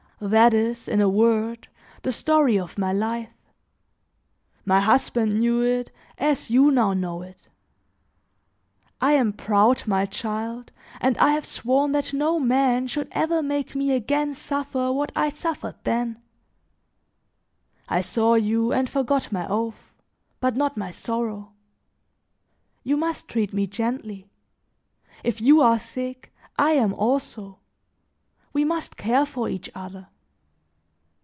"That is, in a word, the story of my life; my husband knew it as you now know it. I am proud, my child, and I have sworn that no man should ever make me again suffer what I suffered then. I saw you and forgot my oath, but not my sorrow. You must treat me gently; if you are sick, I am also; we must care for each other.